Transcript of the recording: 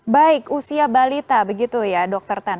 baik usia balita begitu ya dokter tan